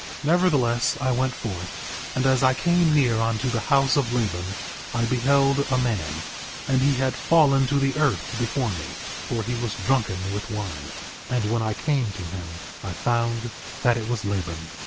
4:7 Nevertheless I went forth, and as I came near unto the house of Laban I beheld a man, and he had fallen to the earth before me, for he was drunken with wine. 4:8 And when I came to him I found that it was Laban.